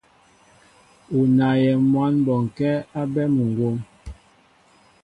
U naayɛ mwǎn bɔnkɛ́ bɛ́ muŋgwóm.